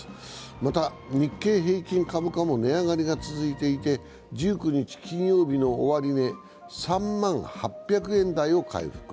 また日経平均株価も値上がりが続いていて１９日、金曜日の終値３万８００円台を回復。